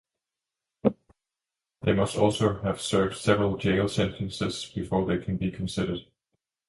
They must also have served several jail sentences before they can be considered.